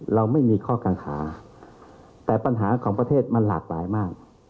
เราไม่มีข้อกังขาแต่ปัญหาของประเทศมันหลากหลายมาก